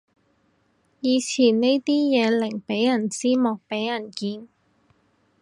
以前呢啲嘢寧俾人知莫俾人見